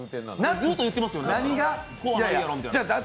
ずっと言ってますよね。